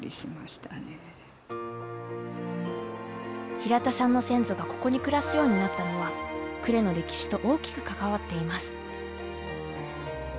平田さんの先祖がここに暮らすようになったのは呉の歴史と大きく関わっています。